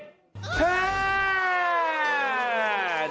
แช่